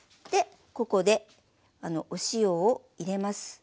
ここでお塩を入れます。